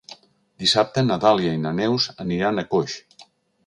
Dissabte na Dàlia i na Neus aniran a Coix.